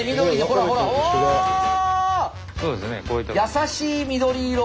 優しい緑色。